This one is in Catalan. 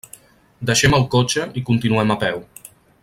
Deixem el cotxe i continuem a peu.